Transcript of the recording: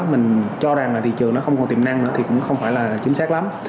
mình cho rằng là thị trường nó không còn tiềm năng nữa thì cũng không phải là chính xác lắm